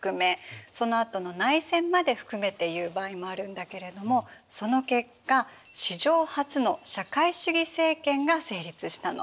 そのあとの内戦まで含めていう場合もあるんだけれどもその結果史上初の社会主義政権が成立したの。